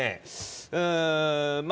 うんまあ